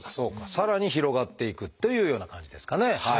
さらに広がっていくというような感じですかね。